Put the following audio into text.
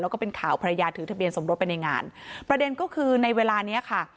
แล้วก็เป็นข่าวภรรยาถือทะเบียนสมรสไปในงานประเด็นก็คือในเวลาเนี้ยค่ะ